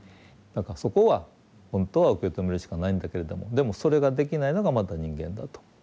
だからそこは本当は受け止めるしかないんだけれどもでもそれができないのがまた人間だと。